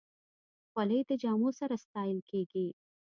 خولۍ د جامو سره ستایل کېږي.